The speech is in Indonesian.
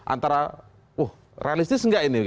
antara realistis enggak ini